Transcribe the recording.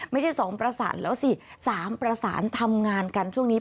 ไม่ใช่๒ประสานแล้วสิ๓ประสานทำงานกันช่วงนี้